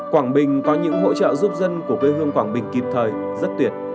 quảng bình có những hỗ trợ giúp dân của quê hương quảng bình kịp thời rất tuyệt